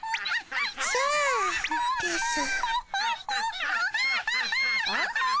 さあですぅ。